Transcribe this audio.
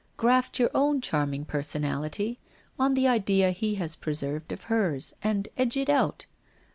Graft your own charming personality on the idea he has preserved of hers, and edge it out.